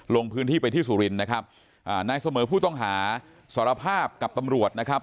ลงพื้นที่ไปที่สุรินทร์นะครับอ่านายเสมอผู้ต้องหาสารภาพกับตำรวจนะครับ